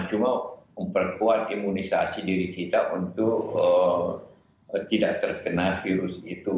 cuma memperkuat imunisasi diri kita untuk tidak terkena virus itu